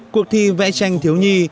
cuộc thi vẽ tranh thiếu nhi